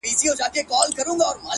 ها دی سلام يې وکړ’